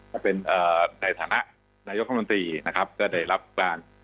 ก็เป็นเอ่อในฐานะนายกรรมนตรีนะครับก็ได้รับการ